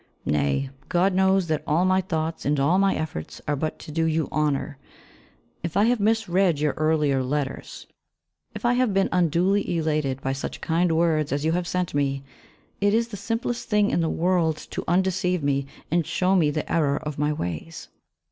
Nay, God knows that all my thoughts and all my efforts are but to do you honour. If I have misread your earlier letters, if I have been unduly elated by such kind words as you have sent me, it is the simplest thing in the world to undeceive me and show me the error of my ways.